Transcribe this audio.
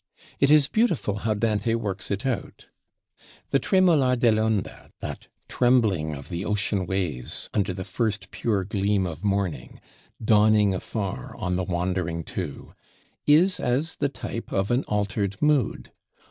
It is beautiful how Dante works it out. The tremolar dell' onde, that "trembling" of the ocean waves, under the first pure gleam of morning, dawning afar on the wandering Two, is as the type of an altered mood.